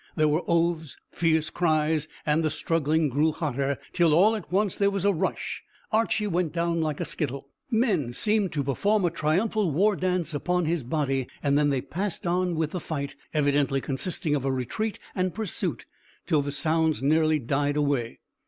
There were oaths, fierce cries, and the struggling grew hotter, till all at once there was a rush, Archy went down like a skittle, men seemed to perform a triumphal war dance upon his body, and then they passed on with the fight, evidently consisting of a retreat and pursuit, till the sounds nearly died away.